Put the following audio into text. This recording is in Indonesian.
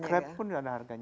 scrap pun ada harganya